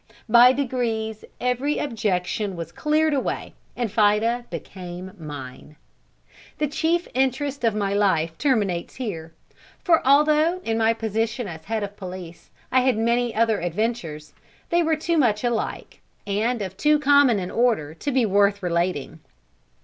By degrees, every objection was cleared away, and Fida became mine. The chief interest of my life terminates here; for although, in my position as head of the police, I had many other adventures, they were too much alike, and of too common an order, to be worth relating.